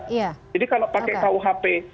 jadi kalau pakai kuhp